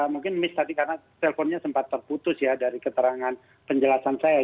mungkin miss tadi karena telponnya sempat terputus ya dari keterangan penjelasan saya